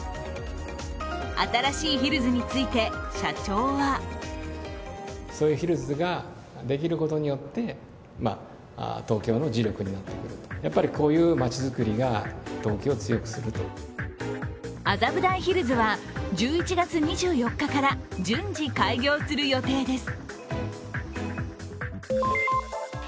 新しいヒルズについて社長は麻布台ヒルズは１１月２４日から順次、開業する予定です。